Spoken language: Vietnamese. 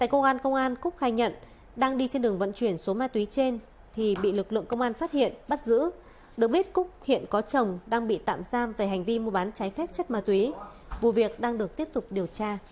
các bạn hãy đăng ký kênh để ủng hộ kênh của chúng mình nhé